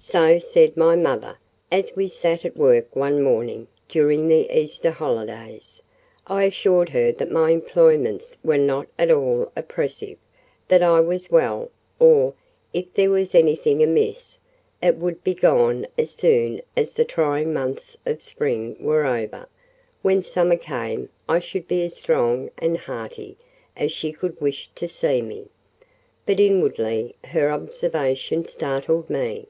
So said my mother, as we sat at work one morning during the Easter holidays. I assured her that my employments were not at all oppressive; that I was well; or, if there was anything amiss, it would be gone as soon as the trying months of spring were over: when summer came I should be as strong and hearty as she could wish to see me: but inwardly her observation startled me.